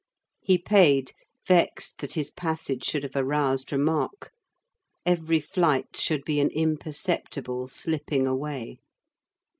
He paid, vexed that his passage should have aroused remark. Every flight should be an imperceptible slipping away.